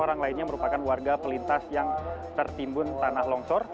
yang lainnya merupakan warga pelintas yang tertimbun tanah longsor